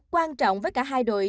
quan trọng với cả hai đội